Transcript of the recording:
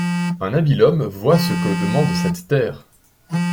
Un habile homme voit ce que demande cette terre.